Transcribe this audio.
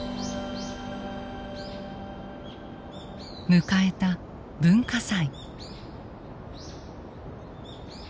迎えた文化祭。